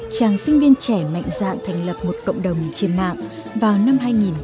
chàng sinh viên trẻ mạnh dạn thành lập một cộng đồng trên mạng vào năm hai nghìn một mươi